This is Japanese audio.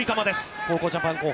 高校ジャパン候補。